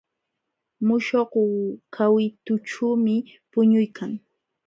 Muśhuq kawitućhuumi puñuykan.